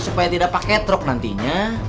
supaya tidak pakai truk nantinya